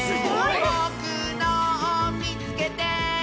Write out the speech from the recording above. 「ぼくのをみつけて！」